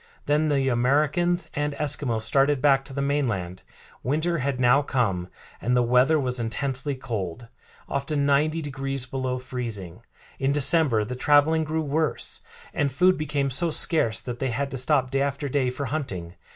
Then the Americans and Eskimos started back to the mainland. Winter had now come, and the weather was intensely cold, often ninety degrees below freezing. In December the traveling grew worse, and food became so scarce that they had to stop day after day for hunting.